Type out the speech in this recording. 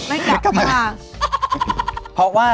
ไม่กลับค่ะ